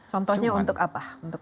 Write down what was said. contohnya untuk apa